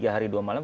tiga hari dua malam